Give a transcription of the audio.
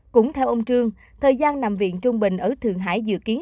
cũng theo ông trương thời gian nằm viện trung bình ở thượng hải dự kiến